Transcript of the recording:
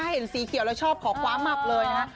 เห็นสีเขียวแล้วชอบขอคว้ามับเลยนะฮะ